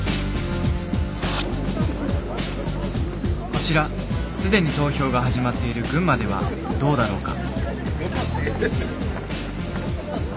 こちら既に投票が始まっている群馬ではどうだろうか？